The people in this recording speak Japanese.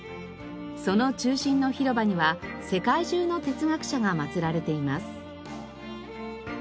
その中心の広場には世界中の哲学者が祀られています。